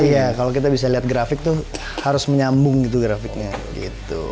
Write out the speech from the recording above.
iya kalau kita bisa lihat grafik tuh harus menyambung gitu grafiknya gitu